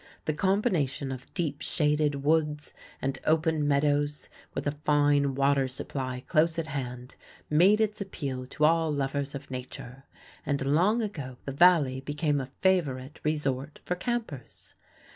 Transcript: The combination of deep shaded woods and open meadows, with a fine water supply close at hand, made its appeal to all lovers of nature, and long ago the Valley became a favorite resort for campers.